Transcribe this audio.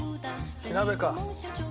火鍋か。